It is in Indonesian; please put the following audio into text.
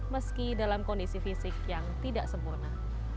meski dalam kondisi fisik yang tidak sempurna